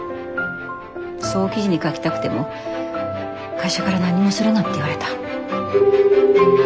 そう記事に書きたくても会社から何もするなって言われた。